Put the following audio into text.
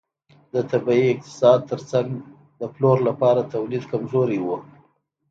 د طبیعي اقتصاد ترڅنګ د پلور لپاره تولید کمزوری و.